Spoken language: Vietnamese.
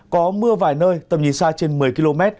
có mưa vài nơi tầm nhìn xa trên một mươi km